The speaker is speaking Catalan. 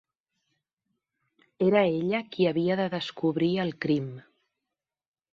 Era ella qui havia de descobrir el crim.